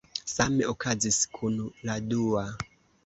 Same okazis kun la dua.